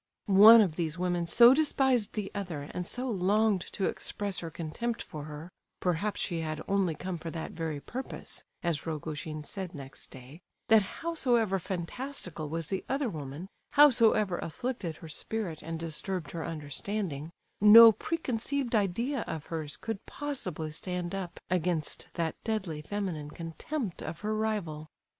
One of these women so despised the other, and so longed to express her contempt for her (perhaps she had only come for that very purpose, as Rogojin said next day), that howsoever fantastical was the other woman, howsoever afflicted her spirit and disturbed her understanding, no preconceived idea of hers could possibly stand up against that deadly feminine contempt of her rival.